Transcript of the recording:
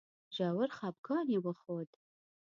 ژور خپګان یې وښود.